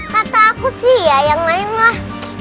kata aku sih ya yang lain mah